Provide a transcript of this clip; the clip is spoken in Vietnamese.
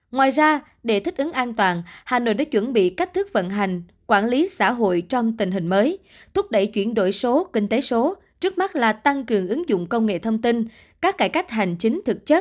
ngoài ra để thích ứng an toàn hà nội đã chuẩn bị cách thức vận hành quản lý xã hội trong tình hình mới thúc đẩy chuyển đổi số kinh tế số trước mắt là tăng cường ứng dụng công nghệ thông tin các cải cách hành chính thực chất